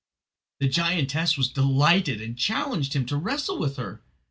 The giantess was delighted, and challenged him to wrestle with her.